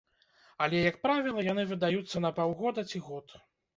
Але, як правіла, яны выдаюцца на паўгода ці год.